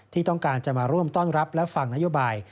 ที่ต้องการจะมาร่วมต้อนรับและฟังนโยบาย